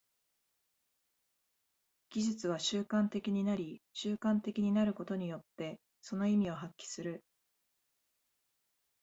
技術は習慣的になり、習慣的になることによってその意味を発揮する。